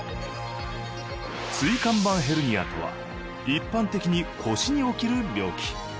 椎間板ヘルニアとは一般的に腰に起きる病気。